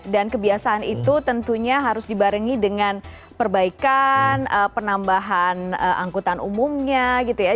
dan kebiasaan itu tentunya harus dibarengi dengan perbaikan penambahan angkutan umumnya gitu ya